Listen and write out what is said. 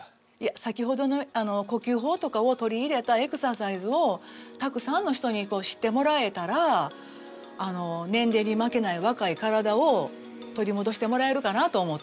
先ほどの呼吸法とかを取り入れたエクササイズをたくさんの人に知ってもらえたら年齢に負けない若い体を取り戻してもらえるかなと思って。